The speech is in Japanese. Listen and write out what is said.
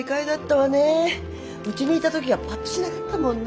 うちにいた時はパッとしなかったもんね。